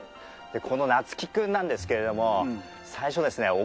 このナツキ君なんですけれども最初ですね